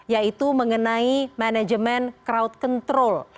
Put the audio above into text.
yaitu mengenai manajemen crowd control